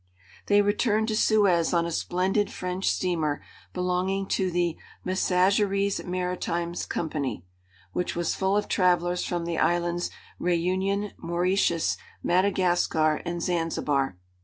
They returned to Suez on a splendid French steamer belonging to the "Messageries Maritimes Company," which was full of travelers from the islands Réunion, Mauritius, Madagascar, and Zanzibar.